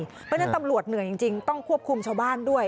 เพราะฉะนั้นตำรวจเหนื่อยจริงต้องควบคุมชาวบ้านด้วย